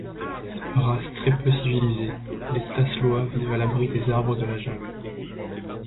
Race très peu civilisée, les Tasloi vivent à l'abri des arbres de la jungle.